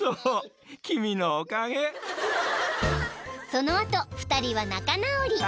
［その後２人は仲直り］